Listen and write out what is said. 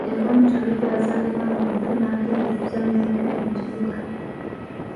Yava mu kyalo gy'azaalibwa nga muto n'agenda okuzannya omupiira mu kibuga.